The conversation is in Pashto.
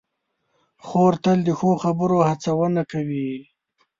خور تل د ښو خبرو هڅونه کوي.